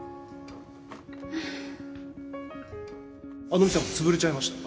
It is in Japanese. あの店はもう潰れちゃいました。